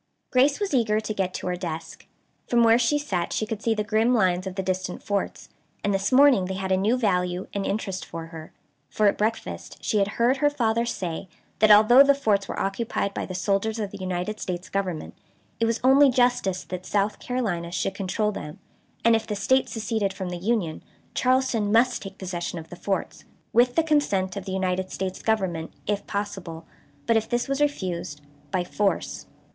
Grace was eager to get to her desk. From where she sat she could see the grim lines of the distant forts; and this morning they had a new value and interest for her; for at breakfast she had heard her father say that, although the forts were occupied by the soldiers of the United States Government, it was only justice that South Carolina should control them, and if the State seceded from the Union Charleston must take possession of the forts. With the consent of the United States Government if possible, but, if this was refused, by force.